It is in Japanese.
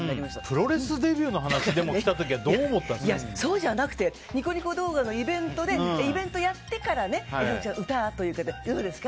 プロレスデビューの話が来た時はそうじゃなくてニコニコ動画のイベントでイベントをやってから歌いかがですか？